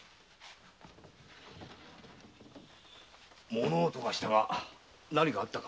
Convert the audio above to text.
物音がしたが何かあったか？